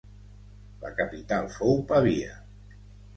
La capital fou Pavia.